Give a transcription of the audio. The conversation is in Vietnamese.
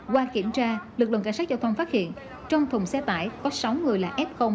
qua kiểm tra lực lượng cảnh sát giao thông phát hiện trong thùng xe tải có sáu người là f